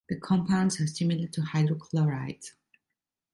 The compounds are similar to hydrochlorides.